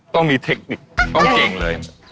ต้องมีเทคนิคต้องเก่งเลย